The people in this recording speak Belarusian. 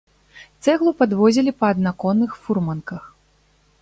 Цэглу падвозілі па аднаконных фурманках.